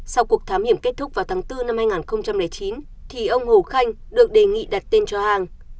sau cuộc thám hiểm kết thúc vào tháng bốn năm hai nghìn chín thì ông hồ khanh được đề nghị đặt tên cho hàng